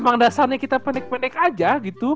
emang dasarnya kita pendek pendek aja gitu